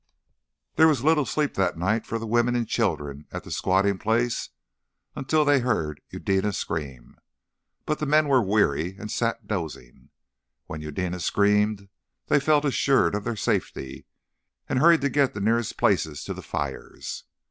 There was little sleep that night for the women and children at the squatting place until they heard Eudena scream. But the men were weary and sat dozing. When Eudena screamed they felt assured of their safety, and hurried to get the nearest places to the fires.